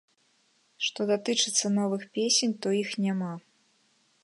Што датычыцца новых песень, то іх няма.